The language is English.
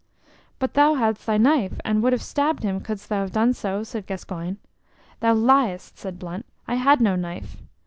"But thou hadst thy knife, and would have stabbed him couldst thou ha' done so," said Gascoyne. "Thou liest!" said Blunt. "I had no knife."